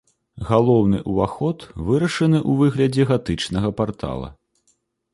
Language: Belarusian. Галоўны ўваход вырашаны ў выглядзе гатычнага партала.